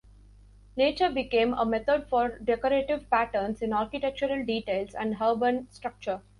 Nature became a method for decorative patterns in architectural details and urban structure.